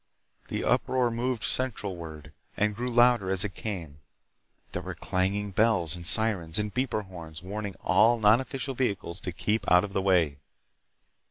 The uproar moved centralward and grew louder as it came. There were clanging bells and sirens and beeper horns warning all nonofficial vehicles to keep out of the way.